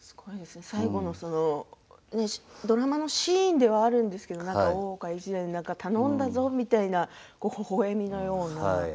最後のドラマのシーンではあるんですけれど大岡越前の頼んだぞみたいなほほえみのような。